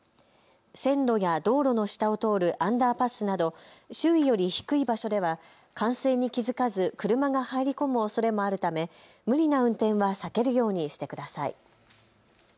線路や道路の下を通るアンダーパスなど周囲より低い場所では冠水に気付かず車が入り込むおそれもあるため無理な運転は避けるようにしてください。